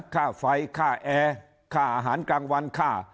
ค่าไฟค่าแอร์ค่าอาหารกลางวันค่า